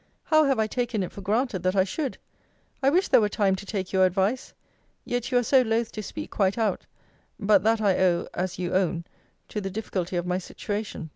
How have I taken it for granted that I should! I wish there were time to take your advice. Yet you are so loth to speak quite out but that I owe, as you own, to the difficulty of my situation.